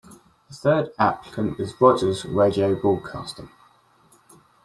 The third applicant was Rogers Radio Broadcasting.